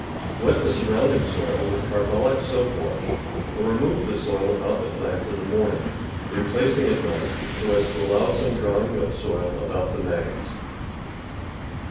— Wet the surrounding soil with car bolic soap wash, or remove the soil about the plants in the morning, replacing at night, so as to allow some drying of soil about the maggots.